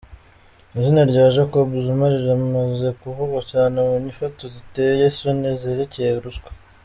Izina rya Jacob Zuma riramaze kuvugwa cane mu nyifato ziteye isoni zerekeye ruswa.